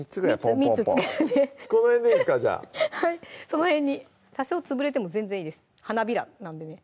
その辺に多少潰れても全然いいです花びらなんでね